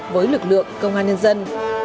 với lực lượng công an nhân dân